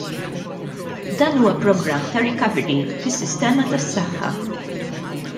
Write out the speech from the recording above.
Dan huwa programm ta' recovery fis-sistema tas-saħħa.